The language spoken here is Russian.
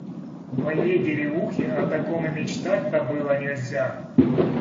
В моей деревухе о таком и мечтать-то было нельзя!